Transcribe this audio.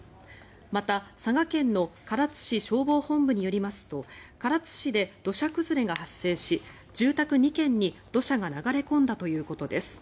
また、佐賀県の唐津市消防本部によりますと唐津市で土砂崩れが発生し住宅２軒に土砂が流れ込んだということです。